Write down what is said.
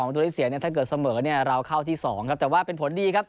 ถ้าเกิดเสมอเราเข้าที่๒ครับแต่ว่าเป็นผลดีครับ